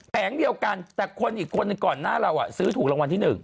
แต่คนอีกคนก่อนหน้าเราซื้อถูกรางวัลที่หนึ่ง